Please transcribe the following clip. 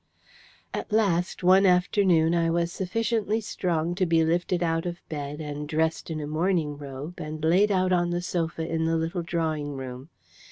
At last one afternoon I was sufficiently strong to be lifted out of bed, and dressed in a morning robe, and laid out on the sofa in the little drawing room.